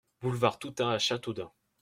Boulevard Toutain à Châteaudun